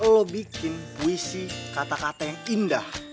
lo bikin puisi kata kata yang indah